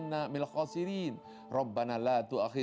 dan hati hati yang menyakiti kami